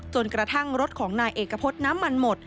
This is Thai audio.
กระทั่งรถของนายเอกพฤษน้ำมันหมด